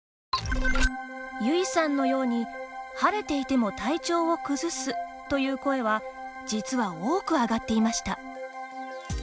ゆいさんのように晴れていても体調を崩すという声は実は多く上がっていました。